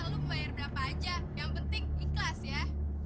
lu bayar berapa aja yang penting ikhlas ya